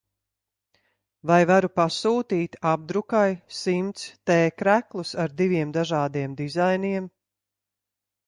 Vai varu pasūtīt apdrukai simts t-kreklus ar diviem dažādiem dizainiem.